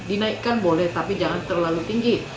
dinaikkan boleh tapi jangan terlalu tinggi